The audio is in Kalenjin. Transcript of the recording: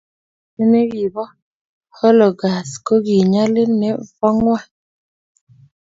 Borishe ne kibo Holocuast ko ki nyalil ne bo ng'ony.